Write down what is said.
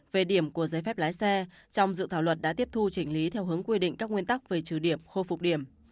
về điểm của giấy phép lái xe trong dự thảo luật đã tiếp thu chỉnh lý theo hướng quy định các nguyên tắc về trừ điểm khôi phục điểm